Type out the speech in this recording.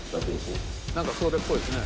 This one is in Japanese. なんかそれっぽいですね。